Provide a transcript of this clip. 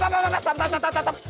bapak bapak stop stop